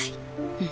うん。